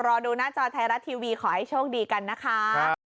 รอดูหน้าจอไทยรัฐทีวีขอให้โชคดีกันนะคะ